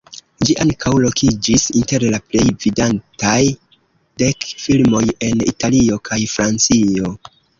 Ĝi ankaŭ lokiĝis inter la plej vidataj dek filmoj en Italio kaj Francio.